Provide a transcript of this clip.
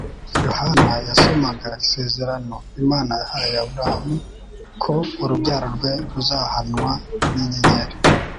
Yohana yasomaga isezerano Imana yahaye Aburahamu ko urubyaro rwe ruzahwana n'inyenyeri.